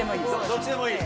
どっちでもいい？